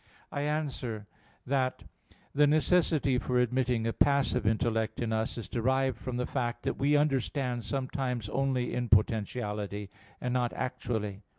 I answer that, The necessity for admitting a passive intellect in us is derived from the fact that we understand sometimes only in potentiality, and not actually.